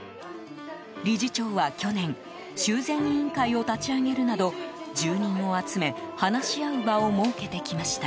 理事長は去年修繕委員会を立ち上げるなど住人を集め話し合う場を設けてきました。